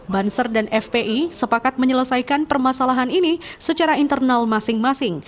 banser dan fpi sepakat menyelesaikan permasalahan ini secara internal masing masing